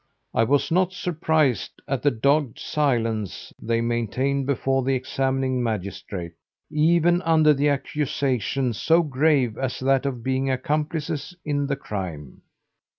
I was not surprised at the dogged silence they maintained before the examining magistrate, even under the accusation so grave as that of being accomplices in the crime.